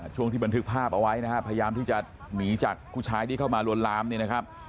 ช่วงที่บันทึกภาพเอาไว้นะครับพยายามที่จะหนีจากผู้ชายที่เข้ามาลวนลามเนี่ยนะครับ